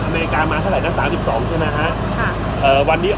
อเมริกามาแถวถล่ายนักที่๓๒มึงนะฮะ